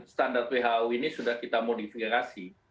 standar who ini sudah kita modifikasi